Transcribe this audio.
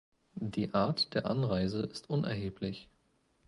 Die Art der Anreise ist unerheblich.